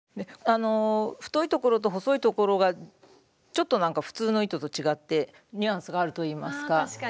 太いところと細いところがちょっと普通の糸と違ってニュアンスがあるといいますか。